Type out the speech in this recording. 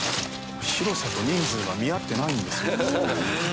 広さと人数が見合ってないんですよ。